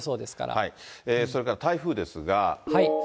それから台風ですが。